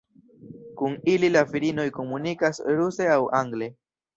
Kun ili la virinoj komunikas ruse aŭ angle.